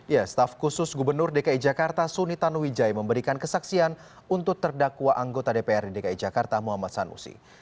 ya staf khusus gubernur dki jakarta suni tanuwijaya memberikan kesaksian untuk terdakwa anggota dprd dki jakarta muhammad sanusi